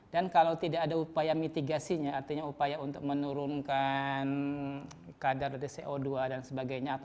dan kalau tidak ada upaya mitigasinya artinya upaya untuk menurunkan kadar dari co dua dan sebagainya